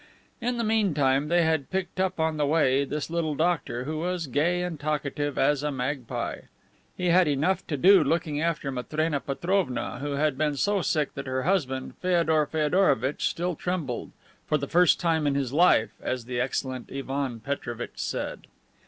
In the meantime they had picked up on the way this little doctor, who was gay and talkative as a magpie. He had enough to do looking after Matrena Petrovna, who had been so sick that her husband, Feodor Feodorovitch, still trembled, "for the first time in his life," as the excellent Ivan Petrovitch said.